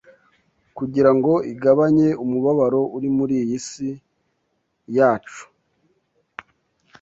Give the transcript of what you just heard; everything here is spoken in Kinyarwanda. kugira ngo igabanye umubabaro uri muri iyi si yacu,